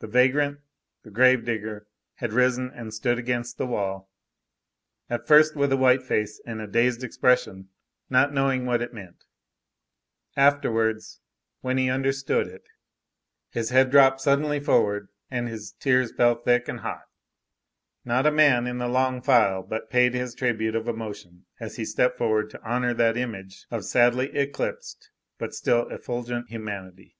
The vagrant, the gravedigger, had risen and stood against the wall, at first with a white face and a dazed expression, not knowing what it meant; afterwards, when he understood it, his head dropped suddenly forward and his tears fell thick and hot upon the hands that he could not see. And his were not the only tears. Not a man in the long file but paid his tribute of emotion as he stepped forward to honor that image of sadly eclipsed but still effulgent humanity.